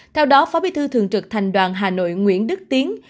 theo đó phó bí thư thường trực thành đoàn hà nội nguyễn đức tiến